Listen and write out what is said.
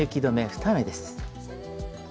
２目です。